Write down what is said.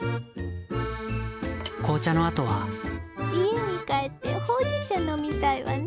紅茶のあとは家に帰ってほうじ茶飲みたいわね。